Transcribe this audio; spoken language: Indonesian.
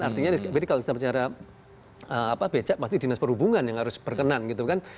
artinya jadi kalau kita bicara becak pasti dinas perhubungan yang harus berkenan gitu kan